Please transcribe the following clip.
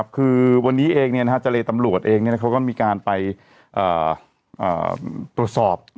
คือวันนี้เองเจรตำรวจเองเขาก็มีการไปตรวจสอบ